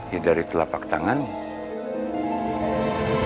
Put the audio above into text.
ya dari telapak tanganmu